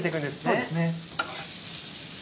そうですね。